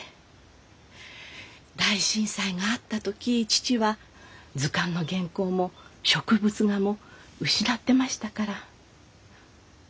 大震災があった時父は図鑑の原稿も植物画も失ってましたから。